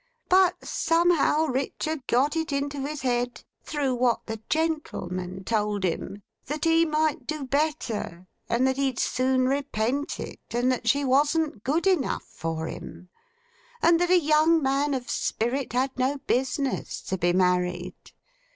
But, somehow, Richard got it into his head, through what the gentlemen told him, that he might do better, and that he'd soon repent it, and that she wasn't good enough for him, and that a young man of spirit had no business to be married.